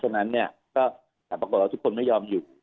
งั้นปรากฏทุกคนแล้วไม่ยอมอยู่